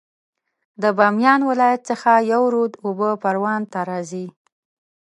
د بامیان ولایت څخه یو رود اوبه پروان ته راځي